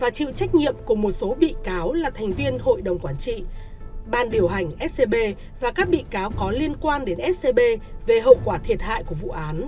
và chịu trách nhiệm của một số bị cáo là thành viên hội đồng quản trị ban điều hành scb và các bị cáo có liên quan đến scb về hậu quả thiệt hại của vụ án